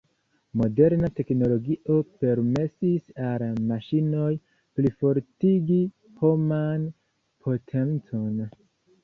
Moderna teknologio permesis al maŝinoj plifortigi homan potencon.